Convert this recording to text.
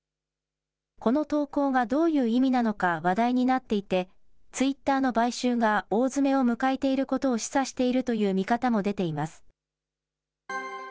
この投稿がどういう意味なのか話題になっていて、ツイッターの買収が大詰めを迎えていることを示唆しているという見方も出ています。